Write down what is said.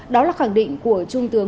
đó là khẳng định của trung tướng